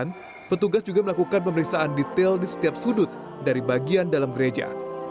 dan benda yang mencurigakan petugas juga melakukan pemeriksaan detail di setiap sudut dari bagian dalam gereja